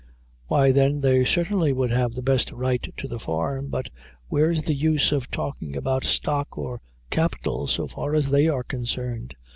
"Why, then, they certainly would have the best right to the farm but where's the use of talking about stock or capital, so far as they are concerned?"